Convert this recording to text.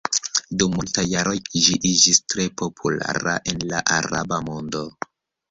Dum multaj jaroj ĝi iĝis tre populara en la araba mondo.